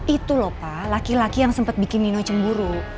itu lho pak laki laki yang sempat bikin nino cemburu